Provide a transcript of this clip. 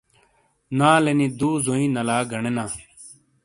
نالینی دُو زوئی نلا گنینا۔